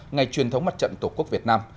ngày truyền thống mặt trận tổ quốc việt nam